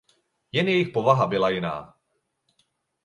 Jen jejich povaha byla jiná.